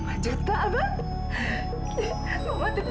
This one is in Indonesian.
mamah dia bisa kesal hati hati